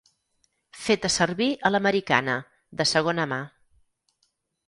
Feta servir a l'americana, de segona mà.